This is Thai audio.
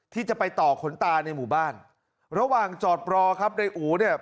ที่จะไปต่อขนตาในหมู่บ้านระหว่างจอดรอครับในอู๋เนี่ย